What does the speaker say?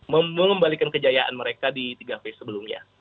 membalikan kejayaan mereka di tiga phase sebelumnya